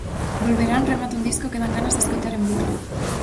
"Volverán" remata un disco que dan ganas de escoitar en bucle.